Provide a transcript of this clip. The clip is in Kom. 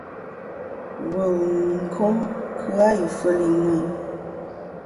Wul ncum kɨ-a ifel i ŋweni.